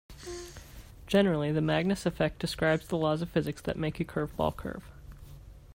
Generally the Magnus effect describes the laws of physics that make a curveball curve.